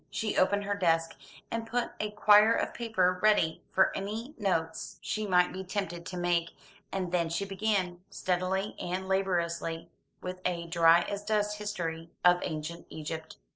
She opened her desk, and put a quire of paper ready for any notes she might be tempted to make, and then she began, steadily and laboriously, with a dry as dust history of ancient Egypt.